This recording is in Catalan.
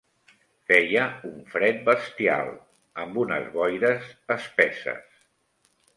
Feia un fred bestial, amb unes boires espesses